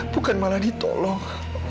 bukan malah ditolong